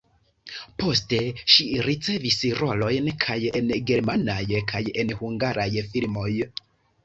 Poste ŝi ricevis rolojn kaj en germanaj, kaj en hungaraj filmoj.